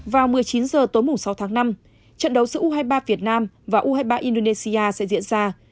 vào một mươi chín h tối sáu tháng năm trận đấu giữa u hai mươi ba việt nam và u hai mươi ba indonesia sẽ diễn ra